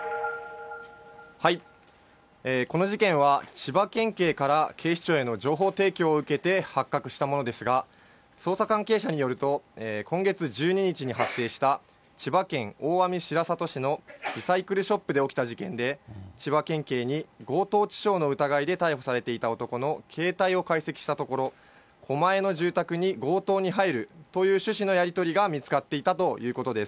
この事件は、千葉県警から警視庁への情報提供を受けて発覚したものですが、捜査関係者によると、今月１２日に発生した千葉県大網白里市のリサイクルショップで起きた事件で、千葉県警に強盗致傷の疑いで逮捕されていた男の携帯を解析したところ、狛江の住宅に強盗に入るという趣旨のやり取りが見つかっていたということです。